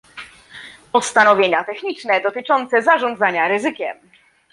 Postanowienia techniczne dotyczące zarządzania ryzykiem